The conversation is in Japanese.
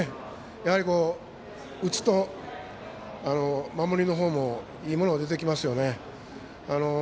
やはり、打つと守りのほうもいいものが出てきますよね。